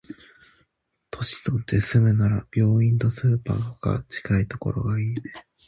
年取って住むなら、病院とスーパーが近いところがいいね。